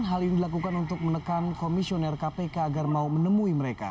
hal ini dilakukan untuk menekan komisioner kpk agar mau menemui mereka